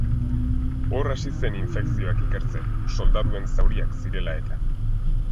Hor hasi zen infekzioak ikertzen, soldaduen zauriak zirela-eta.